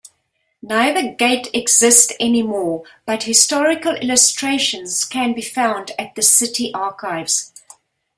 Neither gate exists anymore, but historical illustrations can be found at the city archives.